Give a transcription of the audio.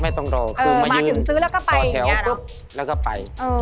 ไม่ต้องลองไง